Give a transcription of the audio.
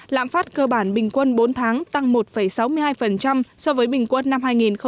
lãm phát cơ bản bình quân bốn tháng tăng một sáu mươi hai so với bình quân năm hai nghìn một mươi tám